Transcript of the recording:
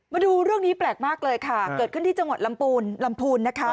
มาดูเรื่องนี้แปลกมากเลยค่ะเกิดขึ้นที่จังหวัดลำปูนลำพูนนะคะ